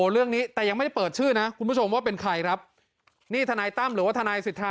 เรื่องหลายอีก